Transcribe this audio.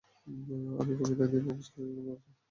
আমি কবিতা দিয়ে প্রপোজ করেছিলাম আর সে না করে দিয়েছে।